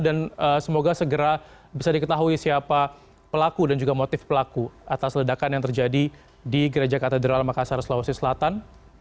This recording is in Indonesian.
dan semoga segera bisa diketahui siapa pelaku dan juga motif pelaku atas ledakan yang terjadi di gereja katedral makassar sulawesi selatan